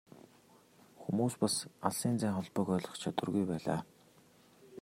Хүмүүс бас алсын зайн холбоог ойлгох чадваргүй байлаа.